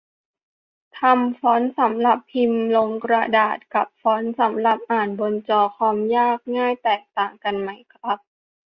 ทำฟอนต์สำหรับพิมพ์ลงกระดาษ กับ ฟอนต์สำหรับอ่านบนจอคอม ยากง่ายแตกต่างกันมากไหมครับ ?